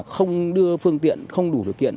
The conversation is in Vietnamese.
không đưa phương tiện không đủ điều kiện